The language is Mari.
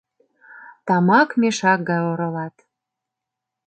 Тамак мешак гай оролат.